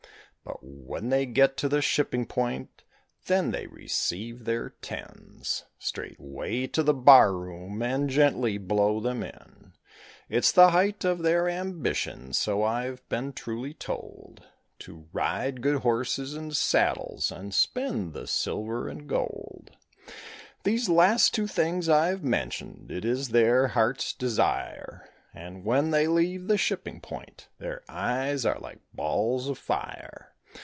But when they get to the shipping point, then they receive their tens, Straightway to the bar room and gently blow them in; It's the height of their ambition, so I've been truly told, To ride good horses and saddles and spend the silver and gold. Those last two things I've mentioned, it is their heart's desire, And when they leave the shipping point, their eyes are like balls of fire.